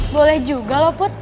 boleh juga loh put